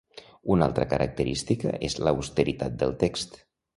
Una altra característica és l'austeritat del text.